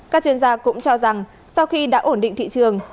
các chuyên gia cũng cho rằng sau khi đã ổn định thị trường